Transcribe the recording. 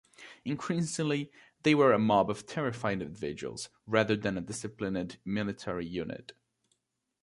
Increasingly, they were a mob of terrified individuals rather than a disciplined military unit.